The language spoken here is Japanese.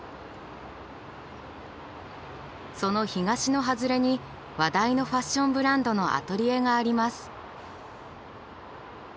その東の外れに話題のファッションブランドのアトリエがあります。